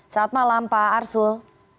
selamat malam pak arsul